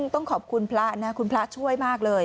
ต้องขอบคุณพระนะคุณพระช่วยมากเลย